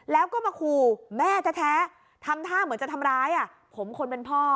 แล้วก็มาขู่แม่แท้ทำท่าเหมือนจะทำร้ายผมคนเป็นพ่อ